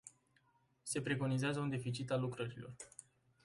Se preconizează un deficit al lucrătorilor.